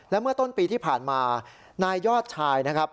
และเมื่อต้นปีที่ผ่านมานายยอดชายนะครับ